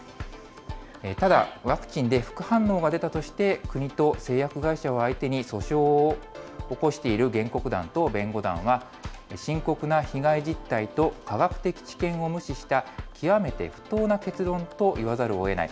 ただ、ワクチンで副反応が出たとして、国と製薬会社を相手に訴訟を起こしている原告団と弁護団は、深刻な被害実態と科学的知見を無視した、極めて不当な結論といわざるをえない。